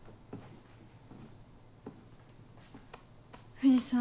藤さん。